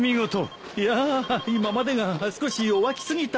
いや今までが少し弱気過ぎたよ。